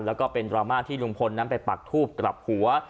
แล้วก็เป็นดราม่าที่ลุงพลนั้นไปปักทูบกลับหัว